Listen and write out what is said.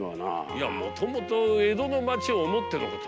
いやもともと江戸の町を思ってのこと。